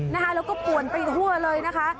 แล้วก็ป่วนไปทั่วเลยนะคะ